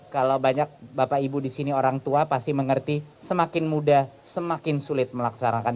kalau banyak bapak ibu di sini orang tua pasti mengerti semakin muda semakin sulit melaksanakan